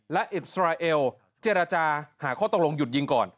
และอิสราเอลเจรจาหาข้อตกลงหยุดยิงก่อน